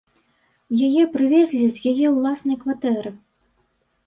Яе прывезлі з яе ўласнай кватэры.